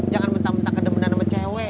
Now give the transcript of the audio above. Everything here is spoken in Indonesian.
jangan mentah mentah kedemen sama cewek